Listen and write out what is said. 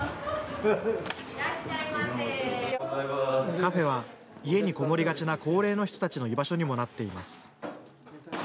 カフェは家にこもりがちな高齢の人たちの居場所にもなっています。